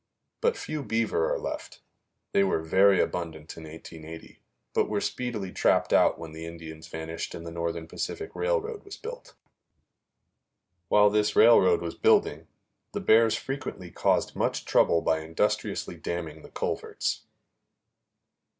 But few beaver are left; they were very abundant in 1880, but were speedily trapped out when the Indians vanished and the Northern Pacific Railroad was built. While this railroad was building, the bears frequently caused much trouble by industriously damming the culverts.